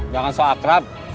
jangan sok akrab